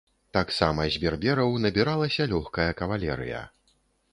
Таксама з бербераў набіралася лёгкая кавалерыя.